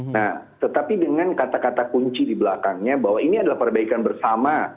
nah tetapi dengan kata kata kunci di belakangnya bahwa ini adalah perbaikan bersama